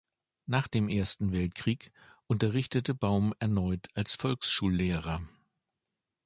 Nach dem Ersten Weltkrieg unterrichtete Baum erneut als Volksschullehrer.